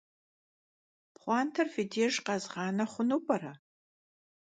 Pxhuanter fi dêjj khezğane xhunu p'ere?